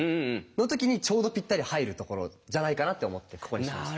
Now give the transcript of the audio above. の時にちょうどぴったり入るところじゃないかなって思ってここにしました。